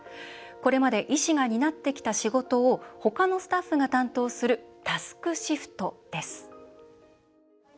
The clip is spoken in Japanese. これまで医師が担ってきた仕事を他のスタッフが担当するタスクシフトです。